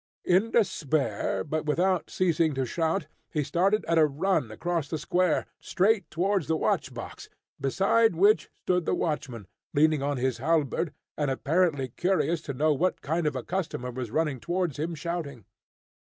In despair, but without ceasing to shout, he started at a run across the square, straight towards the watch box, beside which stood the watchman, leaning on his halberd, and apparently curious to know what kind of a customer was running towards him shouting.